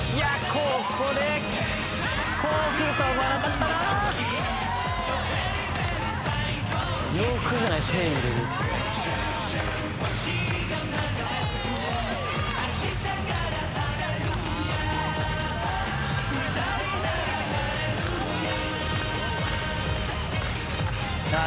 ここでこうくるとは思わなかったなああ